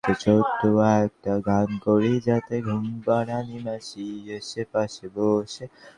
এগুলো কি ফ্ল্যাশব্যাক?